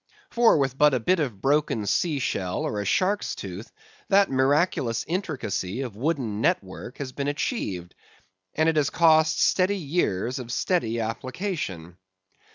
For, with but a bit of broken sea shell or a shark's tooth, that miraculous intricacy of wooden net work has been achieved; and it has cost steady years of steady application.